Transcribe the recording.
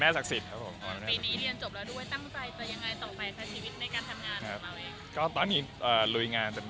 ตั้งใจจะยังไงต่อไปชีวิตด้วยการทำงานของเราเอง